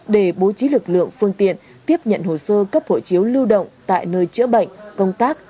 để bố trí lực lượng phương tiện tiếp nhận hồ sơ cấp hộ chiếu lưu động tại nơi chữa bệnh công tác